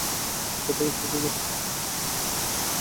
চুপচাপ যা করতে বলছি কর!